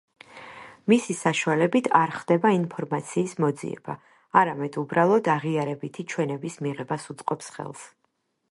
მისი საშუალებით არ ხდება ინფორმაციის მოძიება, არამედ უბრალოდ აღიარებითი ჩვენების მიღებას უწყობს ხელს.